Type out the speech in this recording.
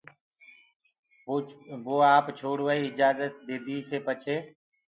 وو آپ ڇوڙوآئيٚ آجآجت ديدي پڇي